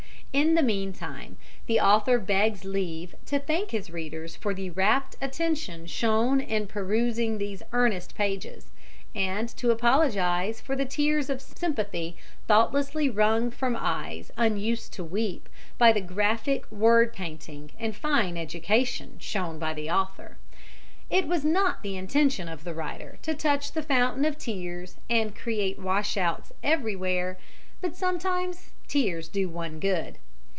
In the mean time, the author begs leave to thank his readers for the rapt attention shown in perusing these earnest pages, and to apologize for the tears of sympathy thoughtlessly wrung from eyes unused to weep, by the graphic word painting and fine education shown by the author. It was not the intention of the writer to touch the fountain of tears and create wash outs everywhere, but sometimes tears do one good.